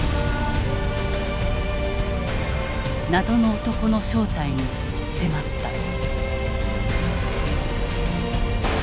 謎の男の正体に迫った。